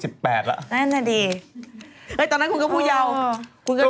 นั่นไงดีตอนนั้นคุณก็พูดเยาว์